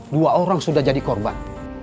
dua orang sudah jadi korban